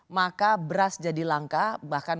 maka beras jadi langka bahkan